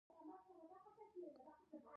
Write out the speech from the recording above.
افغانستان په ځمکه غني دی.